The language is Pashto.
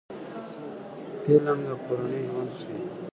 فلم د کورنۍ ژوند ښيي